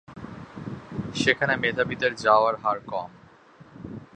সেখানে মেধাবীদের যাওয়ার হার কম।